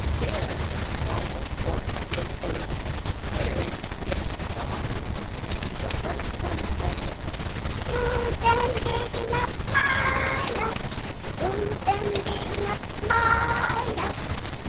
There were several sorts of little birds, twittering different songs. The first one sang "Who's bin digging up MY nuts? Who's been digging up MY nuts?"